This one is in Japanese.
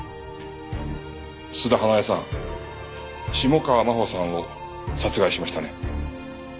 須田華枝さん下川真帆さんを殺害しましたね？